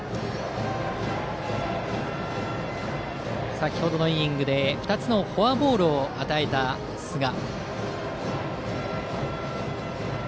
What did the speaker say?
先程のイニングで２つのフォアボールを与えた寿賀。